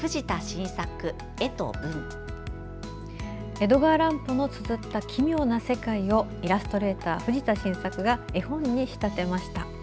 江戸川乱歩のつづった奇妙な世界をイラストレーター・藤田新策が絵本に仕立てました。